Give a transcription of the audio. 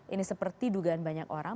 ini seperti dugaan banyak orang